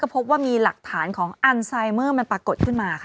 พบว่ามีหลักฐานของอันไซเมอร์มันปรากฏขึ้นมาค่ะ